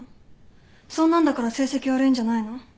そんなんだから成績悪いんじゃないの？